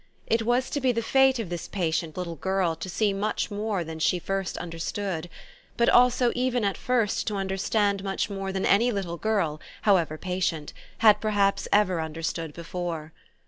It was to be the fate of this patient little girl to see much more than she at first understood, but also even at first to understand much more than any little girl, however patient, had perhaps ever understood before.